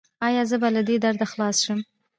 ایا زه به له دې درده خلاص شم؟